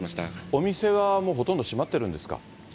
お店側もほとんど閉まってるんですか。